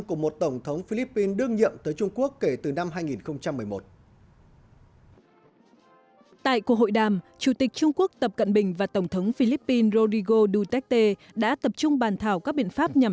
của một tổng thống philippines đương nhiệm